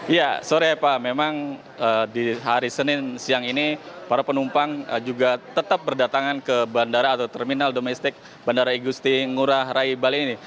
ya sore pak memang di hari senin siang ini para penumpang juga tetap berdatangan ke bandara atau terminal domestik bandara igusti ngurah rai bali ini